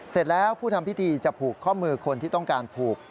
เสร็จแล้วผู้ทำพิธีจะผูกข้อมือคนที่ต้องการผูก